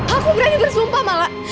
aku berani bersumpah malah